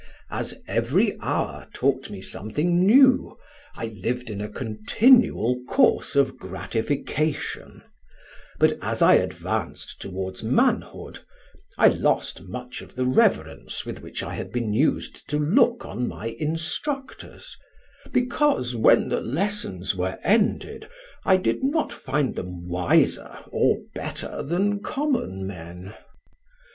As every hour taught me something new, I lived in a continual course of gratification; but as I advanced towards manhood, I lost much of the reverence with which I had been used to look on my instructors; because when the lessons were ended I did not find them wiser or better than common men.